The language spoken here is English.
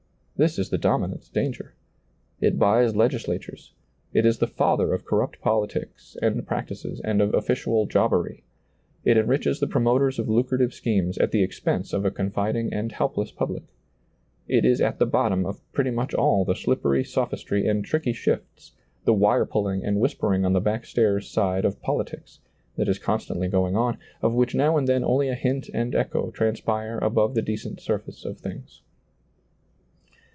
This is the dominant danger. It buys legislatures ; it is the father of corrupt politics and practices and of official jobbery ; itenriches the promoters of lucra tive schemes at the expense of a confiding and helpless public; it is at the bottom of pretty much ^lailizccbvGoOgle A THANKSGIVING SERMON i6i all the slippery sophistry and tricky shifts, the wire pulling and whispering on thd back stairs side of politics, that is constantly going on, of which now and then only a hint and echo tran spire above the decent surface of things.